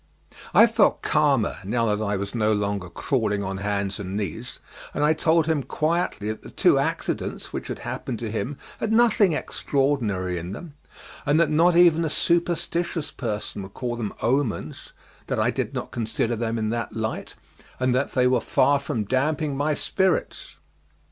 I felt calmer now that I was no longer crawling on hands and knees, and I told him quietly that the two accidents which had happened to him had nothing extraordinary in them, and that not even a superstitious person would call them omens, that I did not consider them in that light, and that they were far from damping my spirits.